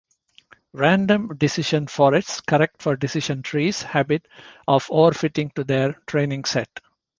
Random decision forests correct for decision trees' habit of overfitting to their training set.